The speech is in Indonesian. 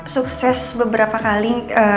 sukses beberapa kali